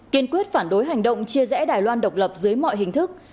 kiên quyết phản đối hành động chia rẽ đài loan độc lập dưới mọi hình thức